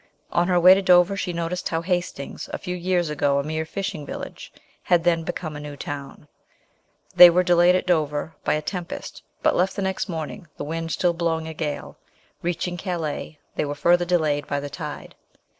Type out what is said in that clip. On her way to Dover she noticed how Hastings, a few years ago a mere fishing village, had then become a new town. They were delayed at Dover by a tempest, but left the next morning, the wind still blowing ITALY REVISITED. 215 a gale ; reaching Calais they were further de layed by the tide.